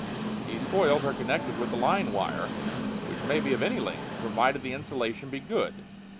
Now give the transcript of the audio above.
These coils are connected with the line wire, which may be of any length, provided the insulation be good.